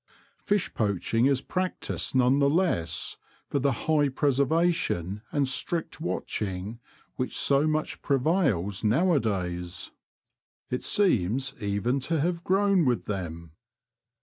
Fish poaching is practised none the less for the high preserva tion and strict watching which so much prevails now a days; it seems even to have grown 94 T^he Confessions of a T^oacher, with them.